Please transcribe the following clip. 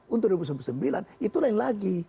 untuk dua ribu sembilan puluh sembilan itu lain lagi